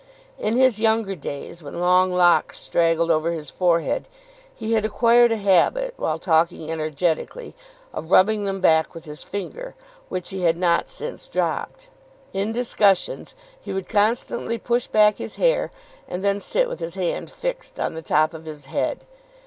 In his younger days, when long locks straggled over his forehead, he had acquired a habit, while talking energetically, of rubbing them back with his finger, which he had not since dropped. In discussions he would constantly push back his hair, and then sit with his hand fixed on the top of his head.